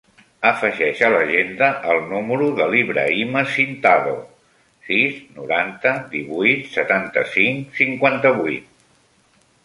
Afegeix a l'agenda el número de l'Ibrahima Cintado: sis, noranta, divuit, setanta-cinc, cinquanta-vuit.